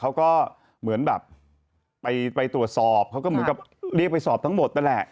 เค้าก็เหมือนแบบไปไปตรวจสอบเค้าก็เหมือนเรียกไปสอบทั้งหมดด้วยแหละ